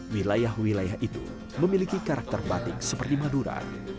wilayah wilayah itu memiliki karakter batik seperti madura